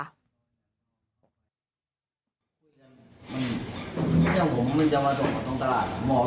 มันเมื่อผมมันจะมาส่งประตูนตลาด